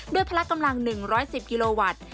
ด้วยพละกำลัง๑๑๐กิโลวัตต์